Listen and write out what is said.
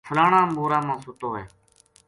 فلانا مورا ما ستو ہے